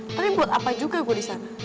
tapi buat apa juga gue disana